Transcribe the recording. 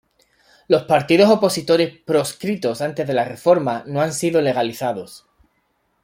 Los partidos opositores proscritos antes de la reforma no han sido legalizados.